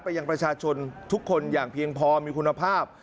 ยังประชาชนทุกคนอย่างเพียงพอมีคุณภาพ